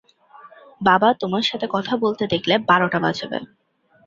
বাবা তোমার সাথে কথা বলতে দেখলে বারোটা বাজাবে।